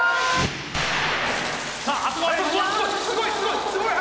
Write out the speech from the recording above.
さあすごいすごい！